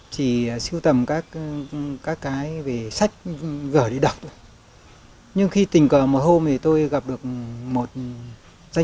chỉ sưu tầm các cái về sách gở đi đọc nhưng khi tình cờ một hôm thì tôi gặp được một doanh